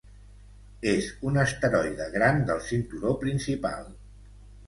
És un asteroide gran del cinturó principal.